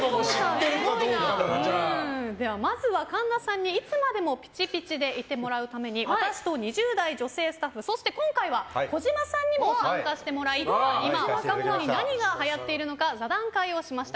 まずは神田さんにいつまでもピチピチでいてもらうために私と２０代女性スタッフそして、今回は児嶋さんにも参加してもらい今、若者に何がはやっているのか座談会をしました。